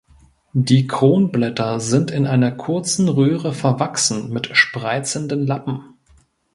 Die Kronblätter sind in einer kurzen Röhre verwachsen mit spreizenden Lappen.